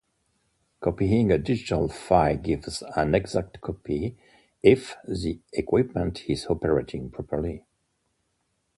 Copying a digital file gives an exact copy if the equipment is operating properly.